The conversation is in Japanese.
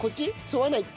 沿わない？